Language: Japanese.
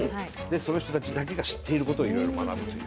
その人たちだけが知っていることをいろいろ学ぶという。